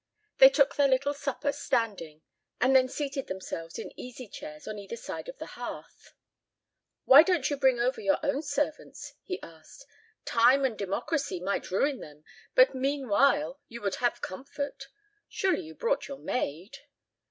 They took their little supper standing and then seated themselves in easy chairs on either side of the hearth. "Why don't you bring over your own servants?" he asked. "Time and democracy might ruin them, but meanwhile you would have comfort. Surely you brought your maid?"